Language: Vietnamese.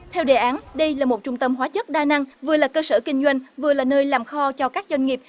theo đề án đây là một trung tâm hóa chất đa năng vừa là cơ sở kinh doanh vừa là nơi làm kho cho các doanh nghiệp